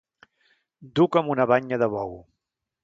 Dur com una banya de bou.